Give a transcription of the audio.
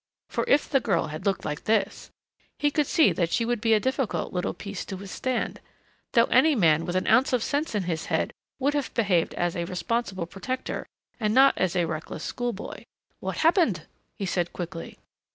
For if the girl had looked like this ... he could see that she would be a difficult little piece to withstand ... though any man with an ounce of sense in his head would have behaved as a responsible protector and not as a reckless school boy. "What happened?" he said quickly.